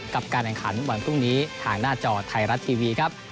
การแข่งขันวันพรุ่งนี้ทางหน้าจอไทยรัฐทีวีครับ